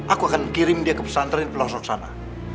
aku akan kirim dia ke pesantren di pulau roksana